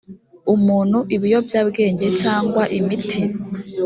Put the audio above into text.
umuntu ibiyobyabwenge cyangwa imiti